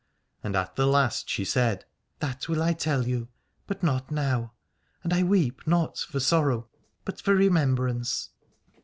And at the last she said : That will I tell you, but not now : and I weep not for sorrow but for remembrance.